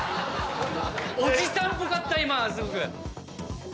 おじさんっぽかった今！